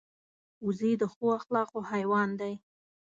وزې د ښو اخلاقو حیوان دی